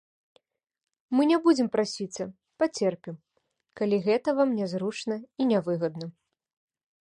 Мы не будзем прасіцца, пацерпім, калі гэта вам нязручна і нявыгадна.